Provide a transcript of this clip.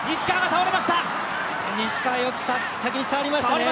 西川、よく先に触りましたね。